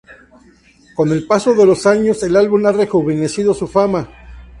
Con el paso de los años, el álbum ha rejuvenecido su fama.